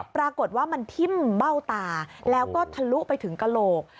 ปรากฏว่ามันทิ่มเบ้าตาแล้วก็ทะลุไปถึงกระโหลก